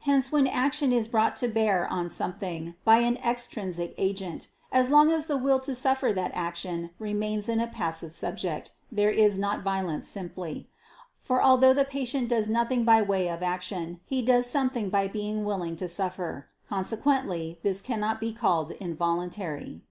Hence when action is brought to bear on something, by an extrinsic agent, as long as the will to suffer that action remains in the passive subject, there is not violence simply: for although the patient does nothing by way of action, he does something by being willing to suffer. Consequently this cannot be called involuntary.